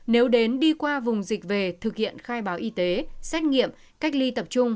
nếu đến đi qua vùng dịch về thực hiện khai báo y tế xét nghiệm cách ly tập trung